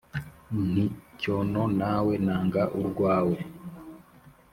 nti : cyono nawe nanga urwawe.